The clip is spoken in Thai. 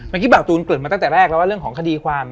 เมื่อกี้เบาตูนเกิดมาตั้งแต่แรกแล้วว่าเรื่องของคดีความ